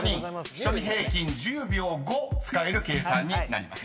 １人平均１０秒５使える計算になります］